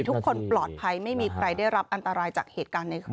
ทุกคนปลอดภัยไม่มีใครได้รับอันตรายจากเหตุการณ์ในคืน